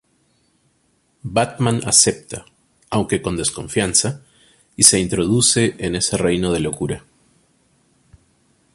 Batman acepta, aunque con desconfianza, y se introduce en ese reino de locura.